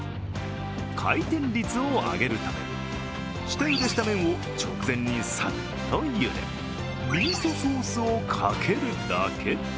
回転率を上げるため、下ゆでした麺を直前にサッとゆでミートソースをかけるだけ。